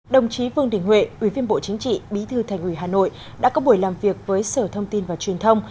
đồng chí vương đình huệ ủy viên bộ chính trị bí thư thành ủy hà nội đã có buổi làm việc với sở thông tin và truyền thông